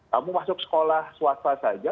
kamu masuk sekolah swasta saja